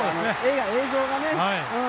映像がね。